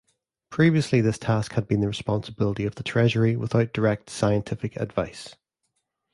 Previously this task had been the responsibility of the Treasury without direct scientific advice.